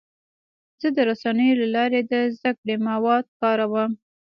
زه د رسنیو له لارې د زده کړې مواد کاروم.